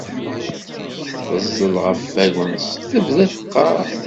Teẓẓel ɣef wagens, tebda teqqar.